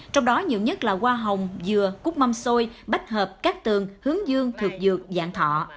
trong đó nhiều nhất là hoa hồng dừa cút mâm xôi bách hợp cát tường hướng dương thượng dược dạng thọ